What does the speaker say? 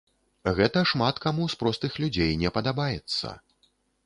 Гэта шмат каму з простых людзей не падабаецца.